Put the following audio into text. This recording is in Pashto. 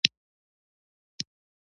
د درملو واردات ډیر دي